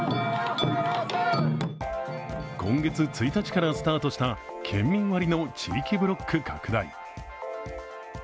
今月１日からスタートした県民割の地域ブロック拡大。